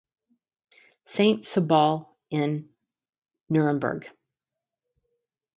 St.Sebald in Nuremberg.